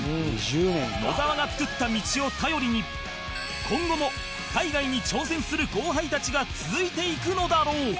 野沢がつくった道を頼りに今後も海外に挑戦する後輩たちが続いていくのだろう